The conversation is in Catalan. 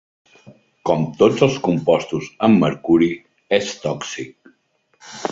Com tots els compostos amb mercuri, és tòxic.